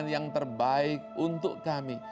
yang terbaik untuk kami